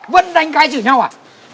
vẫn đánh cái chửi nhau à